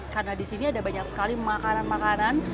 karena di sini ada banyak sekali makanan makanan